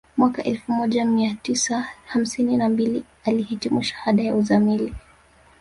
Mwaka elfu moja mia tisa hamsini na mbili alihitimu shahada ya uzamili